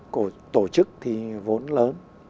của tổ chức thì vốn lớn